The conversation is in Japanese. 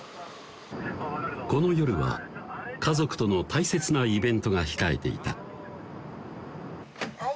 この夜は家族との大切なイベントが控えていたお帰り！